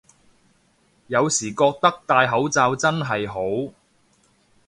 有時覺得戴口罩真係好